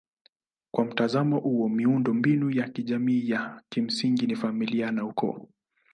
Kwa mtazamo huo miundombinu ya kijamii ya kimsingi ni familia na ukoo.